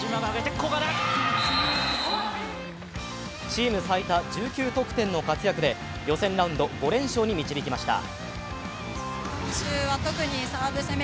チーム最多１９得点の活躍で予選ラウンド５連勝に導きました。